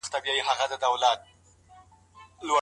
د مېرمني د حقوقو تلف کول لويه ګناه ده.